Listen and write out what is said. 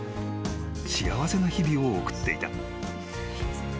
［幸せな日々を送っていた］